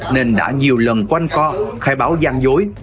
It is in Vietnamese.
nên đã nhiều lần quanh co khai báo gian dối